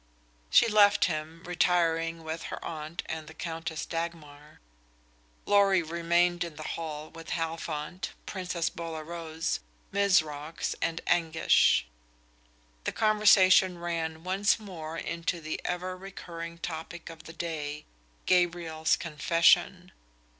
She left him, retiring with her aunt and the Countess Dagmar. Lorry remained in the hall with Halfont, Prince Bolaroz, Mizrox and Anguish. The conversation ran once more into the ever recurring topic of the day, Gabriel's confession.